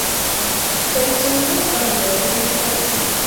پر زینو بنډارونه کوي.